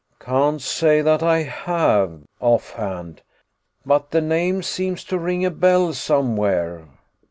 "Can't say that I have, off hand. But the name seems to ring a bell somewhere."